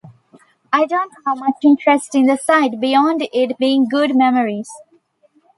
I don't have much interest in the site beyond it being good memories.